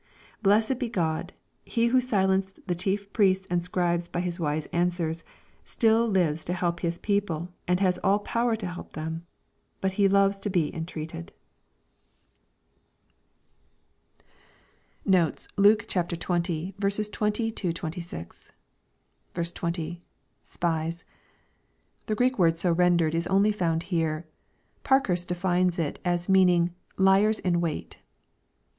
Blessed be God, He who silenced the chief priests and scribes by His wise answers, stil! lives to help His people and has all power to help them. But He loves to be entreated. LUKE, CHAP. XX. 385 KoTES. Luke XX. 20—26. 20. — {Spies.] The Greek word so rendered is only found here. Parkhurst defines it as meaning " Liers in wait."